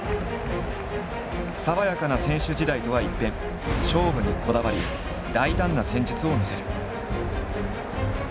爽やかな選手時代とは一変勝負にこだわり大胆な戦術を見せる。